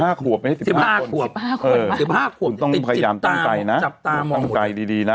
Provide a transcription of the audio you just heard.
๑๕หัว๑๕หัว๑๕หัว๑๕หัวต้องพยายามตั้งใจนะจับตามองหมดตั้งใจดีนะ